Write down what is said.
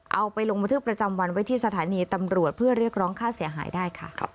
เอาไปลงบันทึกประจำวันไว้ที่สถานีตำรวจเพื่อเรียกร้องค่าเสียหายได้ค่ะ